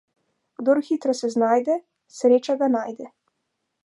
Kdor hitro se znajde, sreča ga najde.